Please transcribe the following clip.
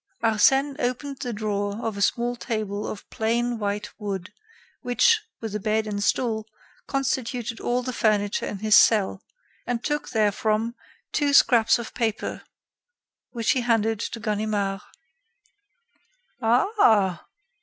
Arsène opened the drawer of a small table of plain white wood which, with the bed and stool, constituted all the furniture in his cell, and took therefrom two scraps of paper which he handed to Ganimard. "Ah!"